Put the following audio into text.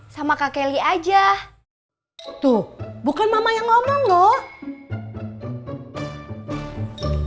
sama kak kelly aja tuh bukan mama yang ngomong lho